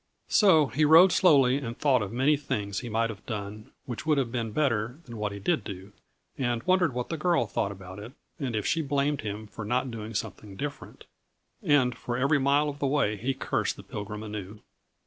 So he rode slowly and thought of many things he might have done which would have been better than what he did do; and wondered what the girl thought about it and if she blamed him for not doing something different. And for every mile of the way he cursed the Pilgrim anew.